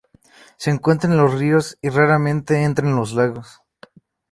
Se encuentra en los ríos y raramente entra en los lagos.